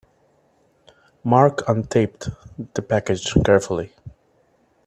Mark untaped the package carefully.